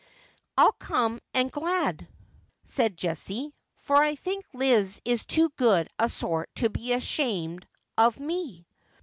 ' I'll come, and glad,' said Jessie, 'for I think Liz is too good a sort to be ashamed of me.'